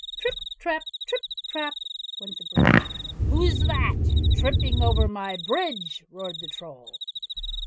"Trip, trap; trip, trap!" went the bridge. "WHO'S THAT tripping over my bridge?" roared the Troll.